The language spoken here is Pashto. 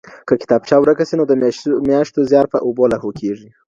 که کتابچه ورکه سي نو د میاشتو زیار په اوبو لاهو کیږي.